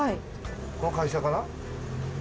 この会社かな？